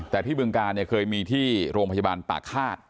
แต่ที่บึงการเนี่ยเคยมีที่โรงพยาบาลปากฆาต